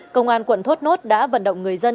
công an quận thốt nốt đã vận động người dân